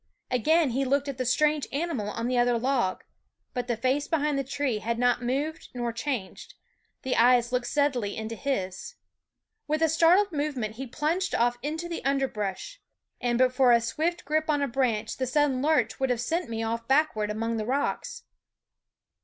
Again he looked at the strange animal on the other log; but the face behind the tree had not moved nor changed ; the eyes looked steadily into his. With a startled movement he plunged off into the underbrush, and but for a swift grip on a branch the sudden lurch would have sent me off backward among the THE WOODS 9 rocks.